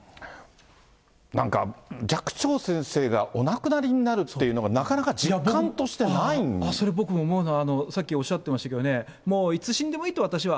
なんか、寂聴先生がお亡くなりになるっていうのが、それ、僕も思うのは、さっきおっしゃってましたけどね、もういつ死んでもいいと、私は。